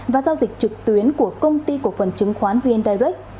và giao dịch trực tuyến của công ty cổ phần chứng khoán vn direct